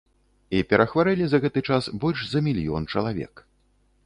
І перахварэлі за гэты час больш за мільён чалавек.